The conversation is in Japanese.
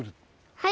はい。